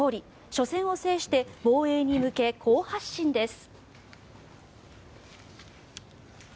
初戦を制して防衛に向け好発進です。